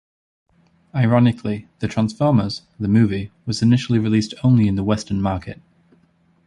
Ironically, "The Transformers: The Movie" was initially released only in the Western market.